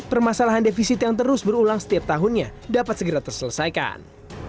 permasalahan defisit yang terus berulang setiap tahunnya dapat segera terselesaikan